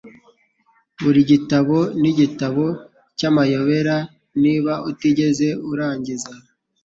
Buri gitabo nigitabo cyamayobera niba utigeze urangiza.